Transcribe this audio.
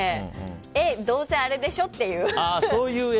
え、どうせあれでしょ？って。